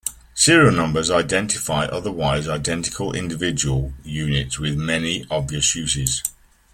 Serial numbers identify otherwise identical individual units with many, obvious uses.